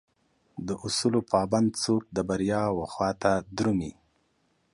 داصول پابند څوک دبریاوخواته درومي